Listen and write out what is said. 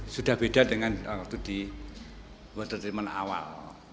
sudah beda dengan waktu di water treatment awal